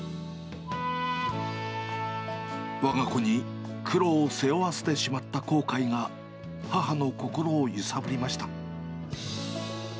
わが子に苦労を背負わせてしまった後悔が、母の心を揺さぶりました。